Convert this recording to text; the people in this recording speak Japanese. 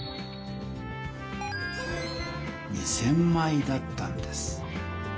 ２０００枚だったんです。